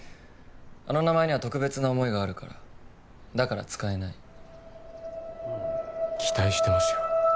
あの名前には特別な思いがあるからだから使えない期待してますよ